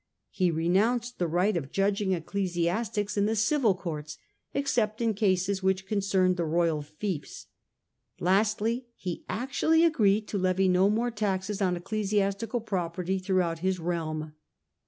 He renounced the right of judging ecclesiastics in the civil courts except in cases which concerned the royal fiefs. Lastly, he actually agreed to levy no more taxes on ecclesiastical property throughout his realm.